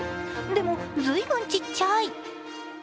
でも、随分ちっちゃい。